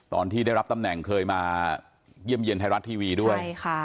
ตอนที่ได้รับตำแหน่งเคยมาเยี่ยมเย็นไทยรัสทีวีด้วย